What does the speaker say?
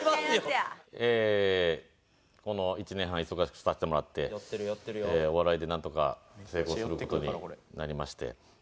ええこの１年半忙しくさせてもらってお笑いでなんとか成功する事になりまして。